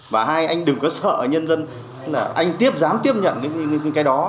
và hai anh đừng có sợ nhân dân là anh tiếp dám tiếp nhận cái đó